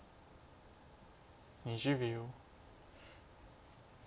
２０秒。